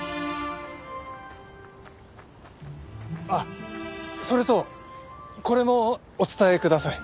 あっそれとこれもお伝えください。